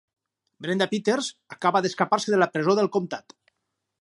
Brenda Peters acaba d'escapar-se de la presó del comtat.